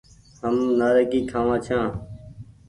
هم نآريگي کآوآن ڇآن ۔